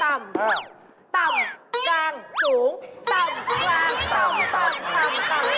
เอาอย่างนี้เกิดร้องเทศอะไร